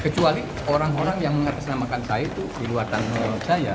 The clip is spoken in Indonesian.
kecuali orang orang yang mengatasnamakan saya itu di luar saya